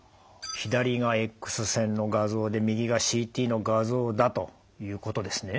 左がエックス線の画像で右がＣＴの画像だということですね。